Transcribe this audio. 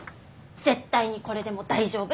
絶対にこれでも大丈夫です。